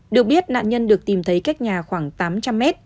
được biết nạn nhân được tìm thấy cách nhà khoảng tám trăm linh mét